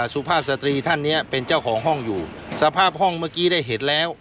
สุภาพสตรีท่านเนี้ยเป็นเจ้าของห้องอยู่สภาพห้องเมื่อกี้ได้เห็นแล้ว